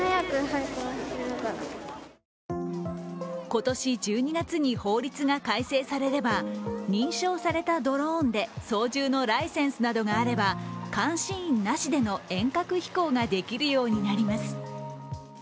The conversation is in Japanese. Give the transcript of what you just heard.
今年１２月に法律が改正されれば認証されたドローンで操縦のライセンスなどがあれば監視員なしでの遠隔飛行ができるようになります。